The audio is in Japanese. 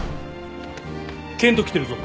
健人来てるぞ。